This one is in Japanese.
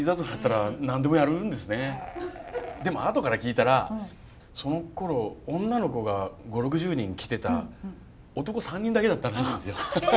でもあとから聞いたらそのころ女の子が５０６０人来てた男３人だけだったらしいんですよ。